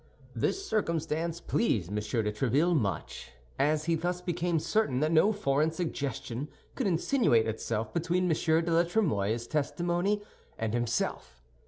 This circumstance pleased M. de Tréville much, as he thus became certain that no foreign suggestion could insinuate itself between M. de la Trémouille's testimony and himself.